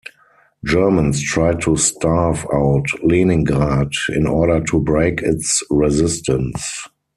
Germans tried to starve out Leningrad in order to break its resistance.